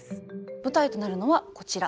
舞台となるのはこちら。